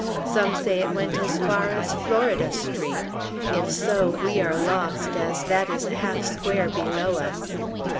Some say it went as far as Florida Street; if so, we are lost, as that is a half square below us.